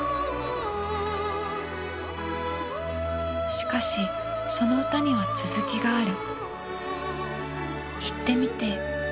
しかしその唄には続きがある。